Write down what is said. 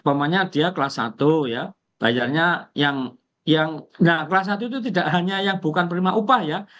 umpamanya dia kelas satu ya bayarnya yang kelas satu itu tidak hanya yang bukan penerima upah ya